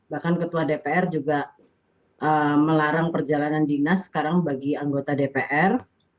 bahkan ketua dpr juga melarang perjalanan dinas sekarang bagi anggota dpr